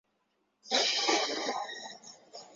古特内克是德国巴伐利亚州的一个市镇。